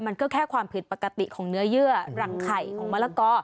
มันก็แค่ความผิดปกติของเนื้อเยื่อหลังไข่ของมะละกอ